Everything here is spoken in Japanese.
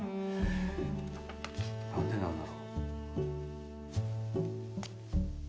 なんでなんだろう。